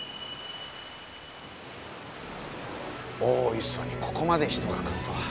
大磯にここまで人が来るとは。